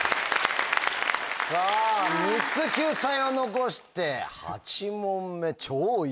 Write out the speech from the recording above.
さぁ３つ救済を残して８問目超優秀。